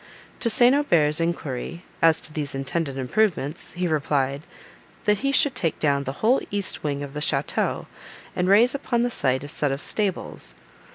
To St. Aubert's enquiry, as to these intended improvements, he replied, that he should take down the whole east wing of the château, and raise upon the site a set of stables.